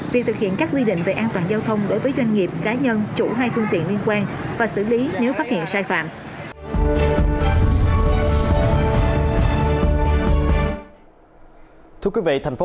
việc thực hiện các quy định về an toàn giao thông đối với doanh nghiệp cá nhân chủ hai phương tiện liên quan và xử lý nếu phát hiện sai phạm